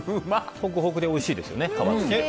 ホクホクでおいしいですよね。